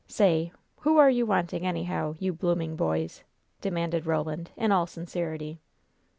Say! Who are you wanting, anyhow, you blooming boys?" demanded Roland, in all sincerity.